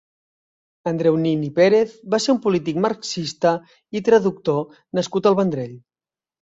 Andreu Nin i Pérez va ser un polític marxista i traductor nascut al Vendrell.